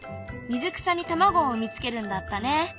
水草に卵を産み付けるんだったね。